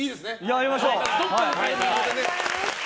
やりましょう！